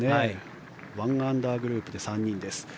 １アンダーグループで３人です。